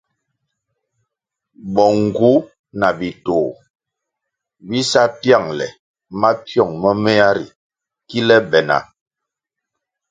Bo ngu na bitoh bi sa pyangʼle mapyong momea ri kile be na.